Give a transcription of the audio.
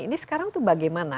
ini sekarang itu bagaimana